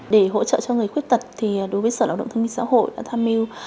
để hỗ trợ cho người khuyết tật thì đối với sở lao động thương minh xã hội đã tham mưu